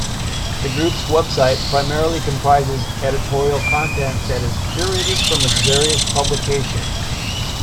The group's website primarily comprises editorial content that is curated from its various publications.